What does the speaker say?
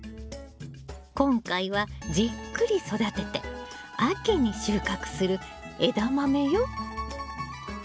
今回はじっくり育てて秋に収穫するエダマメよ。